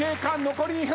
残り２分。